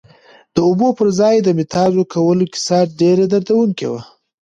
د اوبو پر ځای د متیازو کولو کیسه ډېره دردونکې وه.